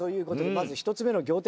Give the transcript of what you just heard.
まず１つ目の仰天